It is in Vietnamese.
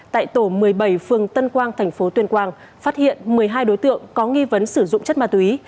tại tổ một mươi bảy phường tân quang thành phố tuyên quang phát hiện một mươi hai đối tượng có nghi vấn sử dụng chất ma túy